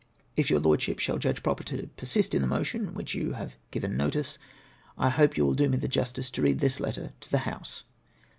If your Lordship shall judge proper to persist in the motion of which you have given notice, I hope you will do me the justice to read this letter to the House.